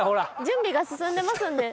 準備が進んでますんで。